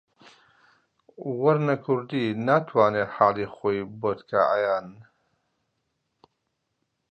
وەرنە کوردی ناتوانێ حاڵی خۆی بۆت کا عەیان